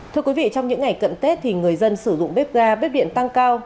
thưa quý vị trong những ngày cận tết thì người dân sử dụng bếp ga bếp điện tăng cao